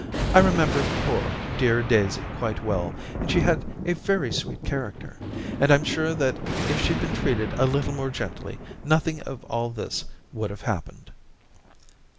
I remember poor, dear Daisy quite well, and she had a very sweet character. And I'm sure that if she'd been treated a little more gently, nothing of all this would have happened.'